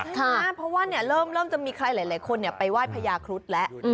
เพราะว่าเริ่มจะมีใครหลายคนไปไหว้พญาครุฑแล้ว